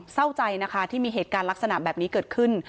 เศร้าใจนะคะที่มีเหตุการณ์ลักษณะแบบนี้เกิดขึ้น